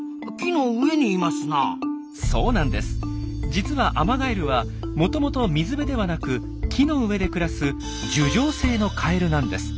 実はアマガエルはもともと水辺ではなく木の上で暮らす樹上性のカエルなんです。